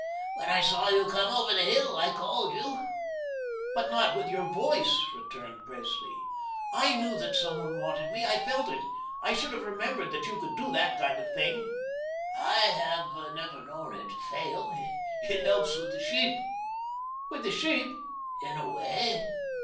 When I saw you come over the hill, I called you." "But not with your voice," returned Presley. "I knew that some one wanted me. I felt it. I should have remembered that you could do that kind of thing." "I have never known it to fail. It helps with the sheep." "With the sheep?" "In a way.